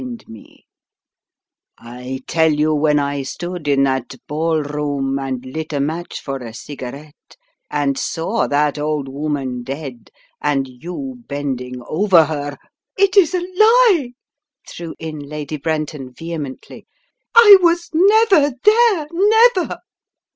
2S6 The Riddle of the Purple Emperor t* I tell you when I stood in that ballroom, and lit a match for a cigarette and saw that old woman dead, and you bending over her " "It is a lie /" threw in Lady Brenton, vehemently. " I was never there ! Never